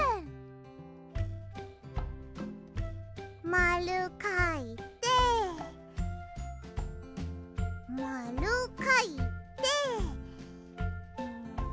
まるかいてまるかいて。